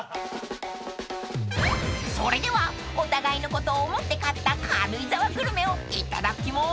［それではお互いのことを思って買った軽井沢グルメをいただきます］